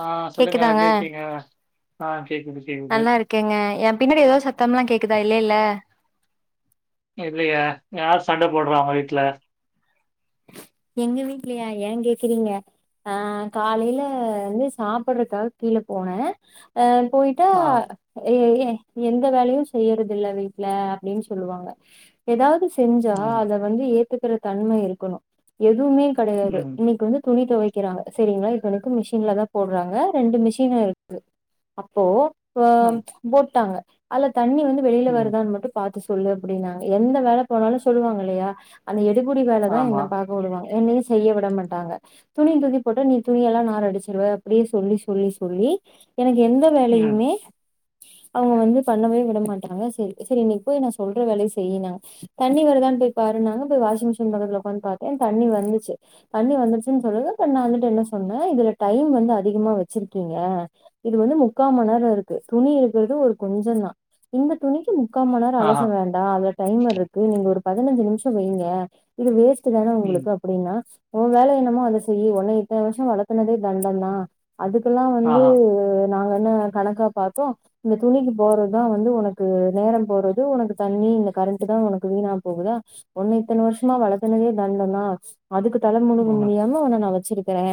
ஆ சொல்லுங்க கேக்குதாங்க எப்டி இருக்கீங்க ஆ கேக்குது கேக்குது ஓகேங்க என் பின்னாடி எதாவ்து சத்தம்லாம் கேக்குதா இல்லைல இல்லையே யார் சண்ட போட்றா உங்க வீட்ல எங்க வீட்லையா ஏன் கேகிறீங்க ஆ காலையில வந்து சாப்புறக்காக கீழே போன ஆ போயி ட்டு ஆ, எ எ எந்த வேலையு செய்யறதுல்ல வீட்டுல அப்டினு சொல்லுவாங்க எதாவது செஞ்சா ம், அத வந்து ஏத்துக்குற தன்ம இருக்கணு எதுவுமே கடையாது ம், இன்னைக்கு வந்து துணிதுவைக் கிறாங்க சரிங்களா இத்தனைக்கு மிஷின்ல தா போடுறாங்க ரெண்டு மிஷின் இருக்கு அப் போ அ போட்டாங்க அல்ல தண்ணி வந்து வெளில ம், வருதான்னு மட்டு பாத்து சொல்லு அப்படின்னாங்க எந்த வேல போனாலு சொல்லுவாங்கள்லையா அந்த எடுபுடி வேலதா ஆமா, என்ன பாக் க போடுவாங்க என்னையு செய்ய விட மாட்டாங்க துணிய துக்கி போட்டு நீ துணியெல்லா நார் அடிச்சிருவே அப்டியே சொல்லி சொல்லி சொல்லி எனக்கு எந்த ம், வேலையுமே அவங்க வந்து பண்ணவே விடமாட்டாங்க செரி செரி இன்னைக்கு போய் நா சொல்ற வேலைய செய்யினாங்க தண்ணி வருதானு போய் பாருன்னாங்க போய் வாஷிங்மிஷின் பக்கத்துல உக்காந்து பாத் தே தண்ணி வந்துச்சு தண்ணி வந்துருச்சுன்னு சொல்லுது அப்ப நா வந்துட்டு என்ன சொன்னே இதுல டைம் வந்து அதிகமா வச்சிருக்கீங்க இது வந்து முக்காமந்நேரம் இருக்கு துணி இருக்கறது ஒரு கொஞ்சதா இந்த துணிக்கு முக்காமந்நேர அலச ஆஹா, வேண் டா அதுல டைம்மர் இருக்கு நீங்க ஒரு பதினஞ்சுநிமிஷம் வைங்க இது வேஸ்ட் தான ம், உங்களுக்கு அப்டின்னா உன் வேல என்னமோ அதை செய்யி உன்ன இத்தன வருஷம் வளர்த்துனதே தண்டதா அதுக்கெல்லா வந்து ஆஹா, நாங்க என்ன கணக்கா பாத்தோ இந்த துணிக்கு போறதுதா வந்து உனக்கு நேரம் போறது உனக்கு தண்ணி இந்த கரண்ட் தா உனக்கு வீணா போகுதா ஒண்ண இத்தன வருஷமா வளத் துனதே தண்டம்தா அதுக்கு தல முழுக ம், முடியாம உன்ன நா வச்சிருக்கிறே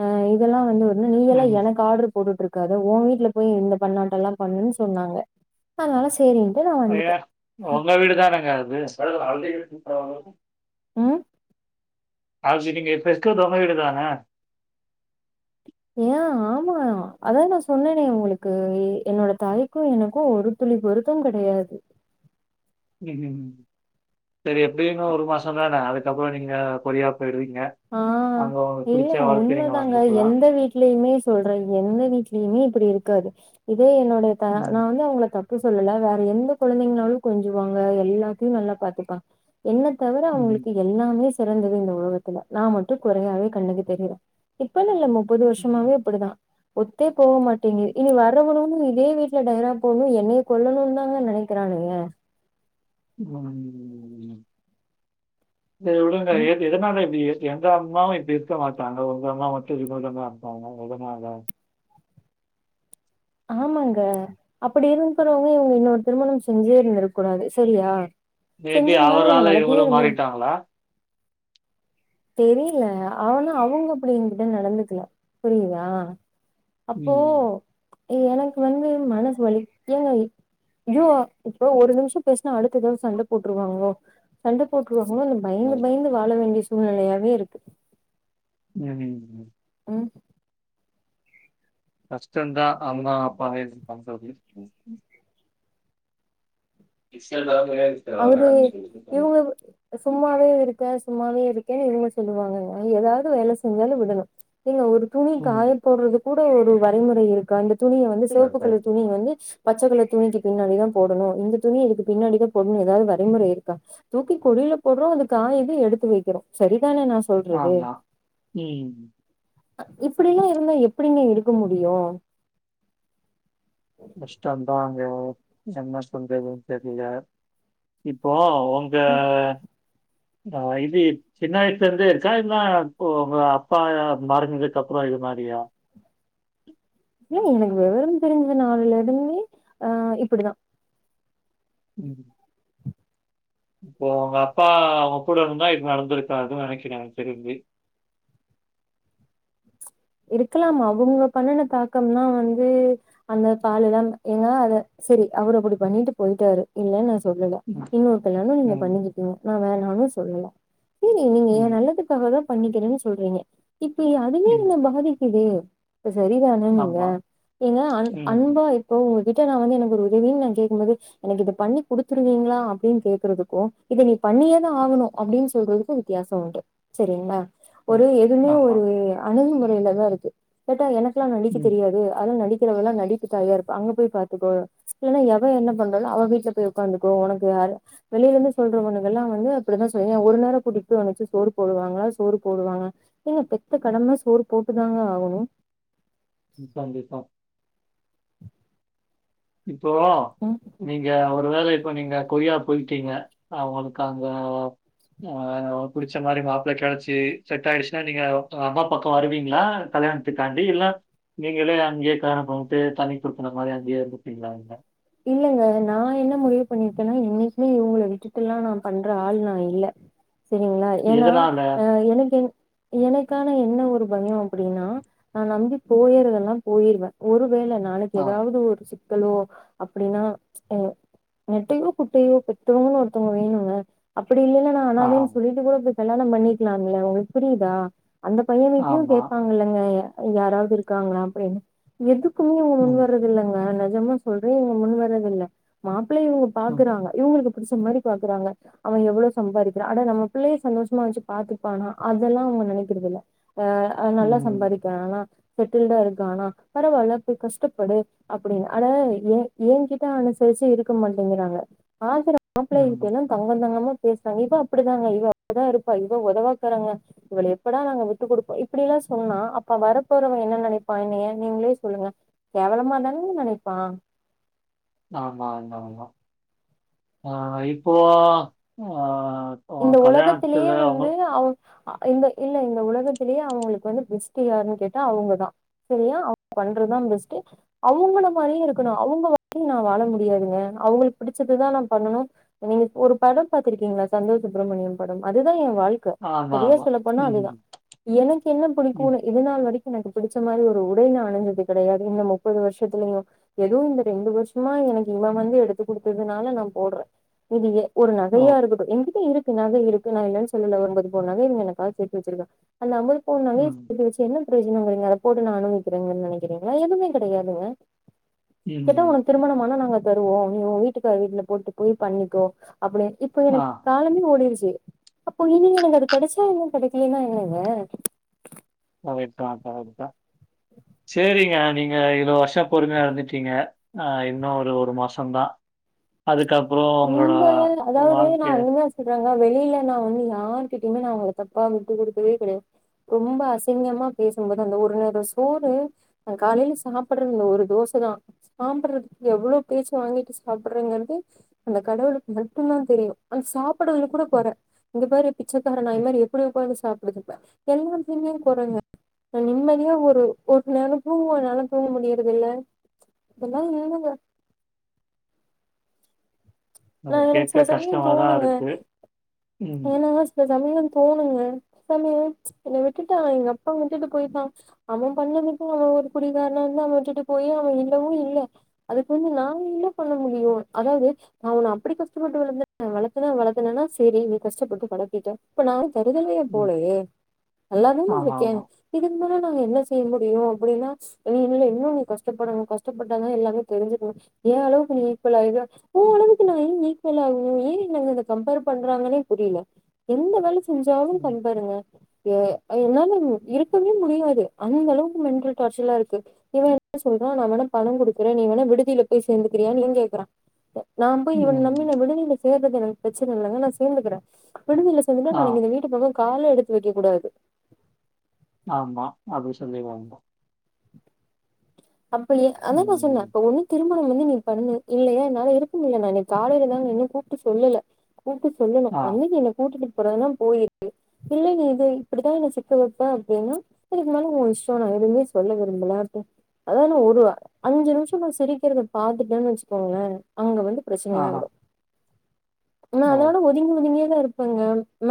அ இதெல்லா வந்து ஒ ன்னு நீ எல்லா ம். எனக்கு ஆர்ட்ரு போட்டுட்டுருக்காத உன் வீட்டுல போய் இந்த பண்ணாட்டல்லா பண்ணுனு சொன்னாங்க அதனால சே ரின்ட்டு நா வந்துட்ட ஐயா! உங்க வீடுதானங்க அது ம் அது நீங்க இப்ப இருக்கது உங்க வீடு தானா ஏன் ஆமா மா அதா நா சொன்னேனே உங்களுக்கு என்னோட தாய்க்கு எனக்கு ஒரு துளி பொருத்தம் கடையாது ம் ம் சரி எப்டியு இன்னு ஒரு மாசம்தான அதுக்கப்பற நீங்க கொரியா போயிடுவீங்க ஆ அங்க உங்களுக்கு இல்ல பிடிச்ச வாழ்க்கைய நீங்க உண்மைதாங்க வாழ்ந்துக்கலாம். எந்த வீட் லயுமே சொல்ற எந்த வீட்லயுமே இப்டி இருக்காது இதே என்னோட தா நா ம், வந்து அவங்கள தப் பு சொல்லல வேற எந்த குழந்தைங்கனாலு கொஞ்சுவாங்க எல்லாத்தையு நல்லா பாத்துப்பா என்ன தவர ம், அவங்களுக்கு எல்லாமே சிறந்தது இந்த உலகத் துல நா மட்டு குறையாவே கண்ணுக்கு தெரிர இப்பன்னு இல்ல முப்பது ம், வருஷமாவே இப்டிதா ஒத்தே போக மாட்டேங்கு இனி வா அணும் [unintelligible] இதே வீட்டுல டயரா போன்னு என்னைய கொல்லணுன் தாங்க நெனைக்கிறானுங்க சரி உடுங்கா ஏ எதனால இப்டி எங்க அம்மாவு இப்டி இருக்க மாட்டாங்க உங்க அம்மா மட்டு வினோதமா இருக்காங்க எதனால ஆமாங்க அப்படி இருந்தறவங்க இவங்க இன்னோர் திருமணம் செஞ்சே இருந்திருக்கூடாது சரியா மேபி செஞ்சிருந்தாலு அவரால என்ன வளத்தியே இவங்களும் இருந்திரு மாறிட்டாங்களா? தெரியில ஆனா அவங்க அப்படி எங்கிட்ட நடந்துக்கல புரியுதா அப்போ ம். எனக்கு வந்து மனசு வலிக் ஏங்க யோ இப்ப ஒரு நிமிஷம் பேஸ்னா அடுத்த தவ சண்ட போட்ருவாங்கோ சண்ட போற்றுவோமோன்னு பயந்து பயந்து வாழ வேண்டிய சூழ்நிலையாவே இருக்கு ம் ம் அஷ்டந்தா அம்மா அப்பாவை [inaudible] [unintelligible] அவரு இவங்க சும்மாவே இருக்க சும்மாவே இருக்கேன்னு இவங்க சொல்லுவாங்க எதாவது வேல செஞ்சாலு விடணு இல்ல ஒரு துணிக்காய போற்றது கூட ஒரு வரைமுறை இருக்கா அந்த துணிய வந்து சிவப்புக்கலர் துணிய வந்து பச்சக்கலர் துணிக்கு பின்னாடி தா போடணு இந்த துணி இதுக்கு பின்னாடி தா போட்னு எதாவது வரைமுறை இருக்கா தூக்கி கொடியில போற்றோ அது காயது எடுத்து வைக்கிறோ சரிதான நா சொ சொல்றது ஆமா. ம். இப்படிலா இருந்தா எப்படிங்க இருக்க முடியு கஷ்டந்தாங்க என்ன பண்றதுன் தெரில்ல இப்போ ஒங்க ம் ஆ இது சின்ன வயசுல இருந்தே இருக்கா இன்ன இப்போ அப்பா மறஞ்துக்கப்றோ இது மாரியா இல்ல எனக்கு விவரம் தெரிஞ்ச நால்ல இருந்து ஆ இப்படிதா ம் இப்போ உங்க அப்பா உங்க கூட இருந்தா இப்டி நடந்திருக்காதுன் நெனைக்கிறே தெரிஞ்சு இருக்கலாமா அவங்க பண்ணுன தாக்கம்தா வந்து அந்த பால எல்லா ஏங்கா அத சரி அவரு அப்படி பண்ணிட்டு போயிட்டாரு இல்ல நா சொல்லல ம். இன்னொர்த்தங்கனாலே நீங்க ம். பண்ணிக்கிட்டீங்க நா வேற ஒன்னு சொல்லல ம் நீங்க எ ம். நல்லதுக்காகதா பண்ணிக்கரீன் சொல்றீங்க இப்ப அதுவே ம். இந்த பா திக்குது இ சரிதான நீங்க ஆமா. எங்க அன் ம். அன்பா ஓ உங்ககிட்ட நா வந்து எனக்கு ஒரு உதவின் நா கேக்கும் போது எனக்கு இது பண்ணி குடுத்துருவீங்களா அப்படின் கேக்குறதுக்கு இத நீ பண்ணியேதா ஆகணு அப்டின் சொல்றதுக்கு வித்யாசோ உண்டு சரிங்களா அ. ஒரு எதுவுமே ஆமா. ஒரு அணுகுமுறைல தா இருக்கு கேட்டா எனக் குலா நடிக்க ம். தெரியாது அதல்ல நடிக்க கிறதல்லா நடிப்பு தாயா இருப்ப அங்க போய் பாத்துக்கோ இல்லைன்னா எவ என்ன பண்றாலோ அவ வீட்டுல போய் உக்காந்துக்கோ உனக்கு யாரு வெளியில இருந்து சொல்றவனுங்கல்லா வந்து அப்படித்தா சொல்லுவாங் ஒரு நேர கூட்டிட் போய் உன்ன வச்சு சோறு போடுவாங்களா சோறு போடுவாங்க ஏங்க பெத்த கடம சோறு போட்டுதாங்க ஆகணு ம் கண்டிப்பா இப்போ நீங்க ஒ ஒரு வேல இப்ப நீங்க கொரியா போயிட்டீங்க அவங்களுக் அங்க ஆ புடிச்ச மாரி மாப்பள்ள கெடச்சி செட் ஆயிடுச்சுன்னா நீங்க அம்மா பக்கோ வருவீங்களா கல்யாண் த்துக்காண்டி இல்ல நீங்களே அக்கியே காரண [inaudible] தனிக்குடுத்துனோ மாரி அங்கேயே இருந்துப்பீங்களா அங்க இல்லங்க நான் என்ன முடிவு பண்ணிருக்கேன்னா இன்னைக்குமே இவங்கள விட்டுட்டுலாம் நான் பண்ற ஆள் நான் இல்ல செரிங்களா ஏன்னா எதனால? அஹ எனக்கு என் எனக்கான என்ன ஒரு பயம் அப்படின்னா நான் நம்பி போயிருந்தேனா போயிருவேன் ஒருவேளை நாளைக்கு ஆ. ஏதாவது ஒரு சிக்கலோ அப்படின்னா அஹ் நெட்டையோ குட்டையோ பெற்றவங்கன்னு ஒருத்தவங்க வேணுங்க அப்படி இல்லனா ஆ. ஆனாலும் சொல்லிட்டு கூட இப்ப கல்யாணம் பண்ணிக்கலாம் இல்ல உங்களுக்கு புரியுதா அந்த பையன் வீட்டுலயும் ஆமா. கேட்பாங்க இல்லைங்க யாராவது இருக்காங்களா அப்படின்னு எதுக்குமே இங்க முன் ம். வர்றது இல்லைங்க நெஜமா சொல்ல இங்க முன் வரறதில்ல்ல மாப்பிள்ளை இவங்க ம். பாக்குறாங்க இவங்களுக்கு பிடிச்ச மாதிரி பாக்குறாங்க அவன் எவ்வளவு சம்பாதிக்கிறான் ஆட நம்ம பிள்ளைய சந்தோஷமா வச்சு பாத்துருப்பானா அதெல்லாம் அவங்க நினைக்கிறதுதில்ல ஆஹ நல்லா ம். சம்பாதிக்க றானா செட்டுல்டு ஆகி இருக்கானா பரவால்ல போய் கஷ்டப்படு அப்படின்னு அதாவ ஏ என்கிட்ட அனுசரிச்சு இருக்க மாட்டேங்கிறாங்க பாக்குற ஆம்பளைக் ம். கிட்டலாம் தங்கந்தங்கமா பேசுறாங் இவ அப்படிதாங்க இவ அப்படிதா இருப்பா இவ உதவாக்கறங்க இவள எப்படா நாங்க விட்டு கொடுப்போம் இப்படிலாம் சொன்னா அப்ப வரப்போறவன் என்ன நெனப்பான் என்னய நீங்களே சொல்லுங்க கேவலமா தானேங்க நினைப்பான் ஆமா ஆமா மா ஆஹ் இப்போ ஆ அ இந்த கல்யாணத்துல ஓலகத்துலயே அவங்க வந்து அவ இந்த இல்ல இந்த உலகத்திலேயே அவங்களுக்கு வந்து பெஸ்ட்டு யார்ன்னு கேட்டா அவங்கதான் செரியா அவங்க பண்றதுதான் பெஸ்ட்டு அவங்கள மாரியே இருக்கணும் அவங்க நான் வாழ முடியாதுங்க அவங்களுக்கு பிடிச்சதுதான் நான் பண்ணனும் நீங்க ஒரு படம் பாத்துருக்கீங்களா சந்தோஷ் சுப்ரமணியம் படம் அதுதான் என் வாழ்க் க ஆமா, சரியா ஆமா. சொல்ல போனா அதுதான் ம். எனக்கு என்ன ம். பிடிக்கும்னு இது நாள் வரைக்கும் எனக்கு பிடிச்ச மாதிரி ஒரு உடை நான் அணிஞ்சது கெடையாது இந்த முப்பது வருஷத்துலயும் எதுவும் இந்த ரெண்டு வருஷமா எனக்கு இவன் வந்து எடுத்து குடுத்ததுனால நான் போடுறேன் இது ஏ ஒரு ஓ! நகையா இருக்க ட்டும் எங்கிட்ட இருக்கு நகை இருக்கு நான் இல்லன்னு சொல்லல ஒரு அம்பது பவுன் நகைங்க இவங்க எனக்காக சேத்து வச்சிருக்காங்க அந்த அம்பது பவுன் நகையே ம். சேத்து வச்சி என்ன பிரயோஜனம்ங்கீறீங்க அதை போட்டு நான் அனுபவிக்கிறேங்கன்னு நெனைக்கிறீங்களா எதுவுமே கெடையாதுங்க உம் கேட்டா உனக்கு திருமணமான நாங்க தருவோம் நீ உன் வீட்டுக்கார் வீட்டுல போட்டு போய் பண்ணிக்கோ அப்படினு இப்ப ஆ எனக்கு காலமே ஓடிடுச்சு அப்போ இனி எனக்கு அது கெடச்சா என்ன கெடக்கலைன்னா என்னங்க கரெக்ட்தான் கரெக்ட்தான் சேரிங்க நீங்க இவ்ளோ வருஷம் பொறுமையா இருந்துட்டீங்க ஆஹ் இன்னும் ஒரு ஒரு மாசம் தான் அதுக்கப்புறம் உங்களோட வாழ்க்கை சொல்றாங்க வெளில நான் வந்து யாரு கிட்டயுமே நான் அவுங்கள தப்பா விட்டு குடுத்ததே கெடயாது ரொம்ப அசிங்கிமா பேசும்போது ஒரு நேரம் சோறு அ காலையில சாப்புடுறது ஒரு தோசதான் சாப்படுறதுக்கு எவ்வளோ பேச்சு வாங்கிட்டு சாப்பிடறங்கது அந்த கடவுளுக்கு மட்டும்தான் தெரியும் அந்த சாப்புடறதுல கூட ம், கொற இங்க பாரு பிச்சக்காரநாய் ம். மாரி எப்படி உட்காந்து சாப்புடுது பாரு எல்லாத்துலயுமே கொறங்க நான் நிம்மதியா ஒரு ஒரு நேரம் தூங்குவனாலும் தூங்க முடியறது இல்ல இதெல்லாம் வேணாம் ஓ நா எனக்கு கேட்க சில சமயம் கஷ்டமாதான் தோணுங்க இருக்கு உம் ஏன்னா சில சமயம் தோணுங்க சமயம் என்ன விட்டுட்டா எங்க அப்பா விட்டுட்டு போய்ட்டான் அவன் பண்ணதுக்கு அவன் ஒரு குடி காரனா இருந்து அவன் விட்டுட்டு போய் அவன் இல்லவும் இல்ல அதுக்கு வந்து நாங்க என்ன பண்ண முடியும் அதாவது நான் உன்ன அப்படி கஷ்டப்பட்டு வளர்த்துருக்கேன் வளக்குறன் வளக்குறனா சேரி கஷ்டப்பட்டு கடத்திட்டே இப்ப நா தருதலையா ம். போலயே நல்லா தான இருக்கே ஆமாமா. இதுக்கு மேல நா என்ன செய்ய முடியு அப்படின்னா இனி நில்ல இன்னு நீ கஷ்டப்படணு கஷ்டப்பட்டாதா எல்லாமே தெரிஞ்சுக்க ஏ அளவுக்கு நீ ஈக்குவலாயிருக்க உ அளவுக்கு நா ஏன் ஈக்குவல் ஆவணு ஏன் என்ன அங்க அத கம்பேர் பண்றாங்கன்னே புரியல எந்த வேல செஞ்சாலு ம். கம்பேருங்க ஏ என்னாலங் இருக்கவே முடியாது அந்த அளவுக்கு மென்டல் டார்ச்சலா இருக்கு இவன் எப்டி சொல்றா நா வேணா பணம் குடுக்கறே நீ வேணா விடுதில போயி சேந்துக்கிறீயான்னு இவன் கேக்குறா நா போயி இவன நம்பி ம். நா விடுதில சேர்றது எனக்கு பிரச்சனை இல்லங்க நா சேந்துக்கிறே விடுதில சேந்துட்டா ஆ. நாளக்கி இந்த வீட்டு பக்கோ காலே எடுத்து வெக்க கூடாது ஆமா அதும் சந்தேகம் வந்துரும் சம்பிளயே அத்தா நா சொன்ன ம். இப்ப ஒன்னு திருமணம் வந்து நீ பண்ணு இல்லையா என்னால இருக்க முட்ல நா இன்னைக்கு காலைலதாங்க இன்னும் கூப்ட்டு சொல்லல கூப்டு சொல்லணு ஆ. வந்து என்னை கூட்டிட்டு போறதுன்னா போயிறு இல்லயே இது இப்படித்தா என்ன சிக்க வெப்பா அப்டின்னா அதுக்கு மேல ஒன் இஷ்டோ நா எதுமே சொல்ல விரும்பல அத்தான ஒரு அஞ்சு நிம்ஷோ நா சிரிக்கறத பாத்துட்டான்னு வச்சுக்கோங்களே அங்க வந்து ஆஹா, பிரச்சனையாயிரும் நா ஓ, அதோட ஒரு நீங்களும் இங்கேதா இருப்பேங்க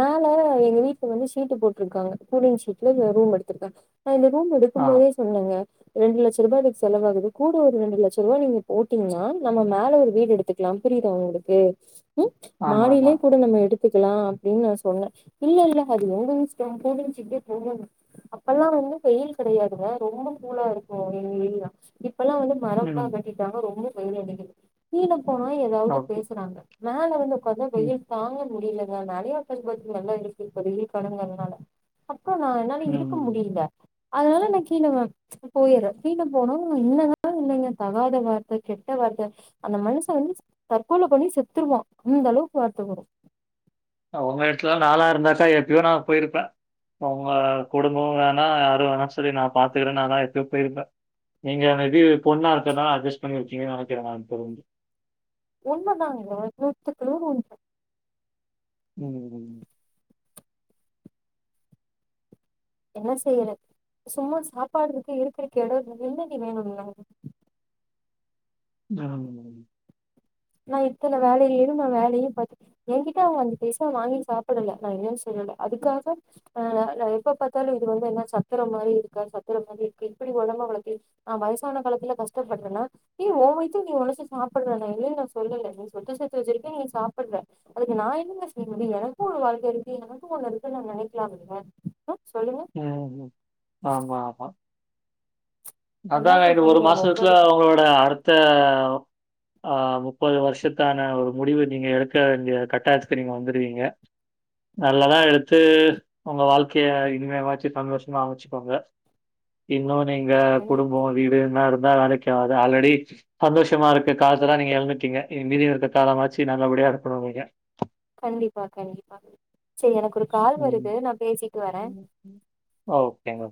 மேல எங்க வீட்ல வந்து ஷீட்டு போட்ருக்காங்க கூலிங் ஷீட்ல ரூம் எடுத் திருக்காங்க நா இந்த ரூம் ஆ, எடுக்கும் போதே சொன்னங்க ரெண்டு லட்ச ரூபா இதுக்கு செலவாகுது கூட ஒரு ரெண்டு லட்சம் ரூபா நீங்க போட்டீங்கன்னா நம்ம மேல ஒரு வீடு எடுத்து க்லாம் புரியுதா உங்களுக்கு உம் ஆமா, ஆமா. மாடிலயே கூட நம்ம எடுத் த்துக்கலா அப்படின்னு நா சொன்ன இல்ல இல்ல அது உங்க இஷ்டம் [unintelligible] அப்பெல்லா வந்து வெயில் கிடையாதுங்க ரொம்ப கூலா இருக் ஓவர் வெயில்தா இப்பெல்லா வந்து மரம் எல்லா ம், வெட்டிட்டாங்க ரொம்ப வெயில் அடிக்குது கீழ போனா ஏதாவது ஓகே. பேசறாங்க மேல வந்து உக்காந்தா ம், வெயில் தாங்க முடியலங்க நறியா [unintelligible] [unintelligible] நா என்னால ம். இருக்க ம். முடியில அதனால நா கீழ வந் போயிரு கீழ போனா இன்னதான்னு இல்லங்க தகாத வார்த்த கெட்ட வார்த்த அந்த மனுச வந்து தற்கொலை பண்ணி செத்துருவா அந்த அளவுக்கு வார்த்த வரும் உங்க எடத்துல நால்லா இருந்தாக்கா எப்பயோ நா போயிருப்பே உங்க குடும்பமு வேணா யாரும் வேணா சொல்லி நா பாத்துக்கிறே நால்லா எப்பயோ போயிருப்பே நீங்க மேபி பொண்ணா இருக்கறனால அஜ்ஜஸ் பண்ணி இருக்கீங்கன்னு நெனைக்கிறே நா தெரிஞ்சி உண்மைதாங்க நூத்துக்கு நூறு உண்மை உம் என்ன செய்யற சும்மா சாப்பாடு இருக்கு இருக்கறக்கு எடம் இருக்கு என்னடி வேணு வேற தாராளமா நா இத்தனை வேலைலயு நா வேலையு பாத்துகிட்டு என்கிட்ட அவன் அஞ்சி பைசா வாங்கியு சாப்பிடல நா இல்லன்னு சொல்லல அதுக்காக அ நா எப்ப பாத்தாலு இது வந்து என்ன சத்தரம் மாறி இருக்கா சத்தர மாதிரி இருக்கு இப்படி ஒடம்ப வளத்தியாச்சு அ வயசான காலத்துல கஷ்டப்பட்றன்னா ஏ ஓன் வயித்துக்கு நீ ஒழச்சி சாப்பிட்ற நா இல்லன்னு நா சொல்லல நீ சொத்து சேத்து வச்சிருக்க நீ சாப்பிட்ற அதுக்கு நா என்னங்க செய்ய முடியு எனக்கும் ஒரு வாழ்க்கை இருக்கு எனக்கும் ஒண்ணு இருக்குன்னு அவன் நெனைக்கிலா இல்லங்க ம் சொல்லுங்க ம் ம் ம் ஆமா ஆமா என்ன அத்தாங்க இன்னும் ஒரு சொல்றீங்க மாசத்துல ஒவ்வொரு அவங்களோட அடுத்த அ முப்பது வருஷத்தான ஒரு முடிவு நீங்க எடுக்க வேண்டிய கட்டாயத்துக்கு நீங்க வந்துடுவீங்க நல்லதா எடுத்து ம் உங்க வாழ் க்கையை இனிமே ஆச்சி சந்தோஷமா அமைச்சுக்கோங்க இன்னு நீங்க கண்டிப்பா குடும்பே வீடு எல்லா இருந்த வேலைக்கி ஆவாது ஆல்ரெடி சந்தோஷமா இருக்க காலத்தா எல்லா நீங்க இழந்துட்டீங்க இனி மீதி இருக்க காலமாச்சு நல்ல படியா இருக்கனு நீங்க கண்டிப்பா கண்டிப்பா சேரி எனக்கு ஒரு கால் ம். வருது நா பேசிட்டு வரே ஓகேங்க